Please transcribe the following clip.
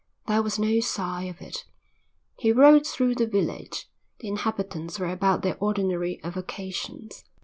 There was no sign of it. He rode through the village. The inhabitants were about their ordinary avocations.